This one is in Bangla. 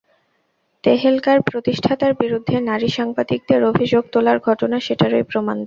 তেহেলকার প্রতিষ্ঠাতার বিরুদ্ধে নারী সাংবাদিকদের অভিযোগ তোলার ঘটনা সেটারই প্রমাণ দেয়।